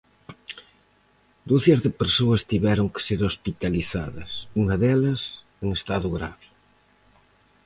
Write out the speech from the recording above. Ducias de persoas tiveron que ser hospitalizadas, unha delas en estado grave.